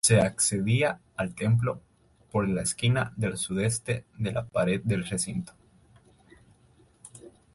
Se accedía al templo por la esquina del sudeste de la pared del recinto.